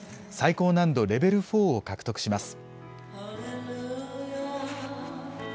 最高難度レベルフォーを獲得します。